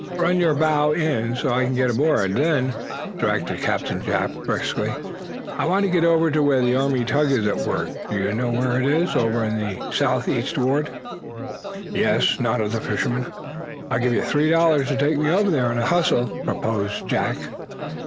"Run your bow in, so I can get aboard, then," directed Captain Jack, briskly. "I want to get over to where the Army tug is at work. Do you know where that is over to the southeast ward?" "Yep," nodded the fisherman. "I'll give you three dollars to take me over there in a hustle," proposed Jack.